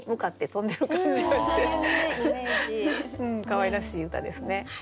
かわいらしい歌ですね。